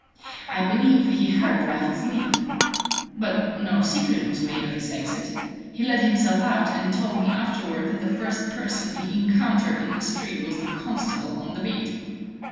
I believe he heard Raffles leave. But no secret was made of his exit: he let himself out and told me afterward that the first person he encountered in the street was the constable on the beat.